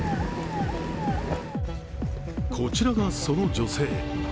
こちらがその女性。